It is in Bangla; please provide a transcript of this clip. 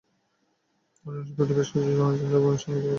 অজানা সূত্রটি বেশ কিছু চোরা চ্যানেল দিয়ে ওবারমেয়ারের সঙ্গে যোগাযোগ করতেন।